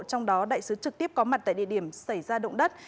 trong đó đại sứ trực tiếp có mặt tại địa điểm xảy ra động đất